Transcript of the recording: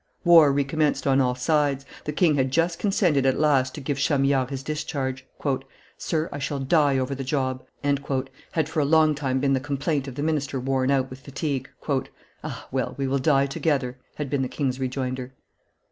War re commenced on all sides. The king had just consented at last to give Chamillard his discharge. "Sir, I shall die over the job," had for a long time been the complaint of the minister worn out with fatigue. "Ah! well, we will die together," had been the king's rejoinder.